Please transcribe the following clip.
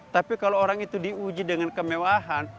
tapi kalau orang itu diuji dengan kemewahan